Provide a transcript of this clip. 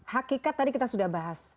hakikat tadi kita sudah bahas